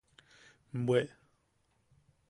¡Bwe!